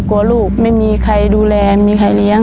กลัวลูกไม่มีใครดูแลมีใครเลี้ยง